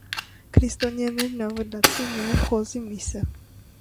Քրիստոնյաներն ավելացրեցին նաև խոզի միսը։